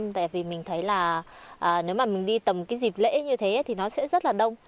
tại vì mình thấy là nếu mà mình đi tầm cái dịp lễ như thế thì nó sẽ rất là đông